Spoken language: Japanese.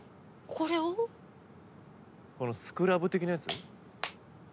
このスクラブ的なやつ？